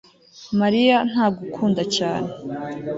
mariya ntagukunda cyane